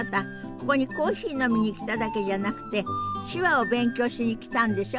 ここにコーヒー飲みに来ただけじゃなくて手話を勉強しに来たんでしょ？